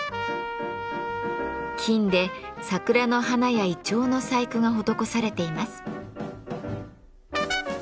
金で桜の花やイチョウの細工が施されています。